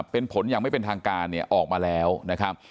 เป็นผลยังไม่เป็นทางการออกมาแล้วนะครับ